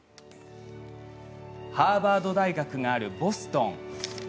ハーバード大学があるボストン。